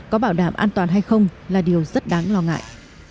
có bảo đảm an toàn hay không là điều rất đáng lo ngại